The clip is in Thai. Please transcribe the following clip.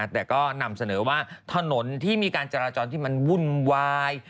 แต่ก็นำเสนอว่าถนนที่มีการจราจรที่มันวุ่นวาย